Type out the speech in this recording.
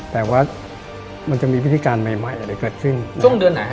แต่ว่ามันจะมีพิธีการใหม่ใหม่อะไรเกิดขึ้นช่วงเดือนไหนฮะ